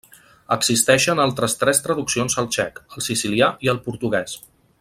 Existeixen altres tres traduccions al txec, al sicilià i al portuguès.